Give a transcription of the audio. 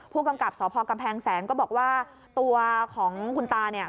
ผู้กำกับสพกำแพงแสนก็บอกว่าตัวของคุณตาเนี่ย